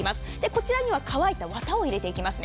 こちらには乾いた綿を入れていきます。